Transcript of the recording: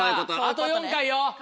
あと４回よ